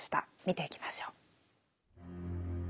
見ていきましょう。